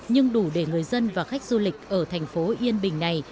nhưng đủ để người dân và khách du lịch ở thành phố yên bình này